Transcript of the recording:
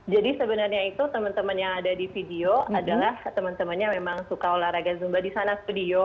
jadi sebenarnya itu teman teman yang ada di video adalah teman temannya memang suka olahraga zumba di sana studio